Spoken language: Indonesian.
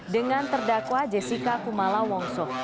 dengan terdakwa jessica kumala wongso